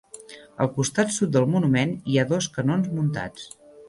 Al costat sud del monument hi ha dos canons muntats.